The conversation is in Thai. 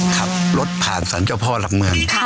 ขับรถผ่านสรรเจ้าพ่อหลักเมือง